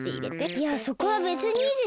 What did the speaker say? いやそこはべつにいいでしょ。